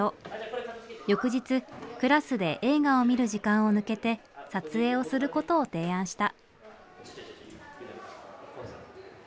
翌日クラスで映画を見る時間を抜けて撮影をすることを提案した。